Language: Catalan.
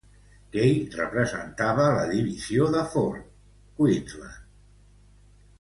Kay representava la Divisió de Forde, Queensland.